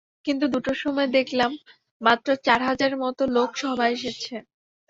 কিন্তু দুটোর সময় দেখলাম, মাত্র চার হাজারের মতো লোক সভায় এসেছে।